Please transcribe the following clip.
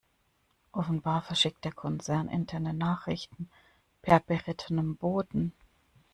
Offenbar verschickt der Konzern interne Nachrichten per berittenem Boten.